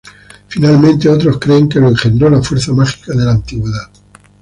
Finalmente, otros creen que lo engendró la fuerza mágica de la antigüedad.